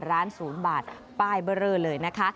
ร้านศูนย์บาทป้ายเบอร์เรอเลยนะคะ